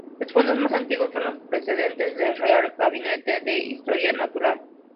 Los fondos más antiguos son los procedentes del Real Gabinete de Historia Natural.